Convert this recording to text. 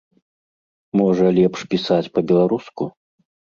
Можа, лепш пісаць па-беларуску?